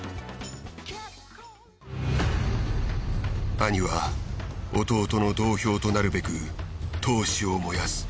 兄は弟の道標となるべく闘志を燃やす。